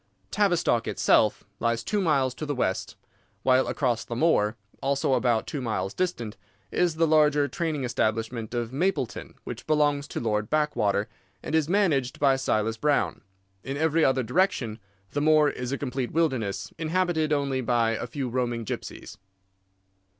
Tavistock itself lies two miles to the west, while across the moor, also about two miles distant, is the larger training establishment of Mapleton, which belongs to Lord Backwater, and is managed by Silas Brown. In every other direction the moor is a complete wilderness, inhabited only by a few roaming gypsies.